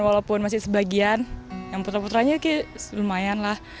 walaupun masih sebagian yang putra putranya kayak lumayan lah